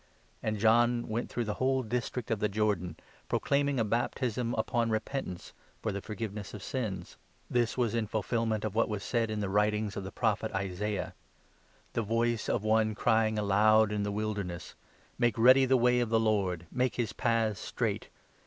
And John went 3 through the whole district of the Jordan, proclaiming a baptism upon repentance, for the forgiveness of sins. This was in ful 4 filment of what is said in the writings of the Prophet Isaiah —' The voice of one crying aloud in the Wilderness t " Make ready the way of the Lord, Make his paths straight.